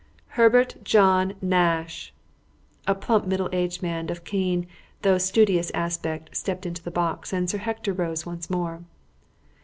"Herbert John Nash!" A plump, middle aged man, of keen, though studious, aspect, stepped into the box, and Sir Hector rose once more.